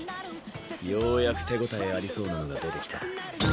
ようやく手応えありそうなのが出てきた。